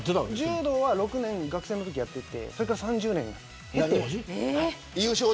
柔道は６年学生のときやっていてそれから３０年ぐらいあいた。